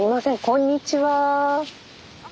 こんにちは。